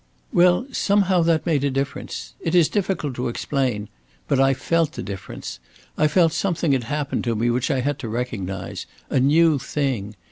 "Well, somehow that made a difference. It is difficult to explain. But I felt the difference. I felt something had happened to me which I had to recognize a new thing.